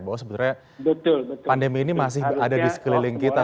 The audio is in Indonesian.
bahwa sebenarnya pandemi ini masih ada di sekeliling kita